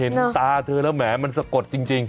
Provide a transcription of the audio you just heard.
ตาเธอแล้วแหมมันสะกดจริง